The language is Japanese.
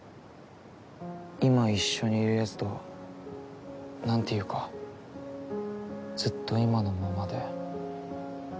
今一緒にいるやつとはなんていうかずっと今のままで。